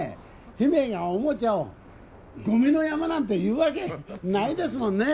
姫がおもちゃをゴミの山なんて言うわけないですもんね？